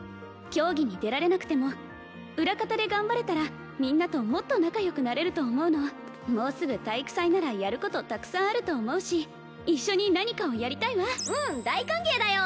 競技に出られなくても裏方で頑張れたらみんなともっと仲良くなれると思うのもうすぐ体育祭ならやることたくさんあると思うし一緒に何かをやりたいわうん大歓迎だよ！